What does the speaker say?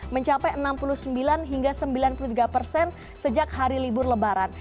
mencapai enam puluh sembilan hingga sembilan puluh tiga persen sejak hari libur lebaran